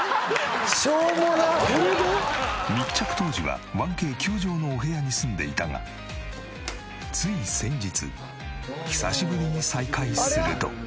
密着当時は１Ｋ９畳のお部屋に住んでいたがつい先日久しぶりに再会すると。